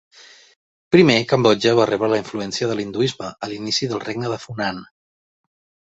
Primer, Cambodja va rebre la influència de l'hinduisme a l'inici del Regne de Funan.